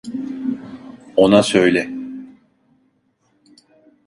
Ona söyle.